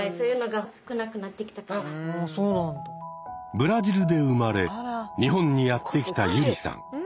ブラジルで生まれ日本にやって来たユリさん。